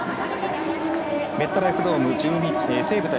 メットライフドーム西武対